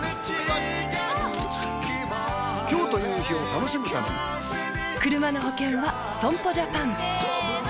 今日という日を楽しむためにクルマの保険は損保ジャパンせーの！